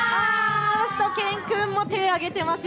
しゅと犬くんも手を上げていますよ。